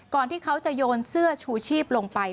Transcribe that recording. ที่เขาจะโยนเสื้อชูชีพลงไป